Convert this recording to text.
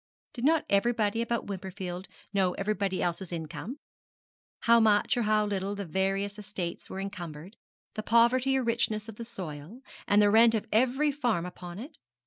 Did not everybody about Wimperfield know everybody else's income, how much or how little the various estates were encumbered, the poverty or richness of the soil, and the rent of every farm upon it?